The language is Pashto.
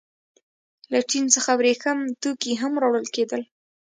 له چین څخه ورېښم توکي هم راوړل کېدل.